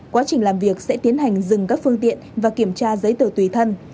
quá trình làm việc sẽ tiến hành dừng các phương tiện và kiểm tra giấy tờ tùy thân